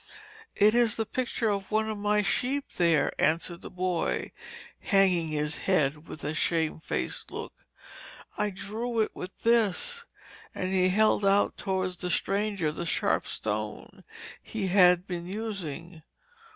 'It is the picture of one of my sheep there,' answered the boy, hanging his head with a shame faced look. 'I drew it with this,' and he held out towards the stranger the sharp stone he had been using.